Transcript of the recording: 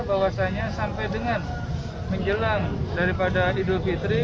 bahwasannya sampai dengan menjelang daripada idul fitri